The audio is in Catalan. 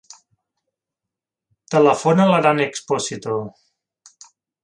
Telefona a l'Aran Exposito.